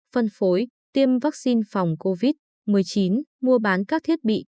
phân phối tiêm vaccine phòng covid một mươi chín mua bán các thiết bị